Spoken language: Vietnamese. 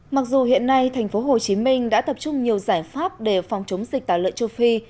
mặc dù hiện nay tp hcm đã tập trung nhiều giải pháp để phòng chống dịch tả lợi châu phi